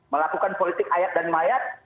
melakukan politik ayat dan mayat